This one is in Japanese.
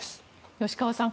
吉川さん